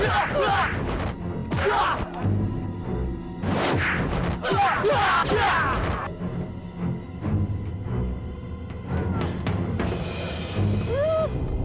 kau lagi jadi seseorang yang kumuh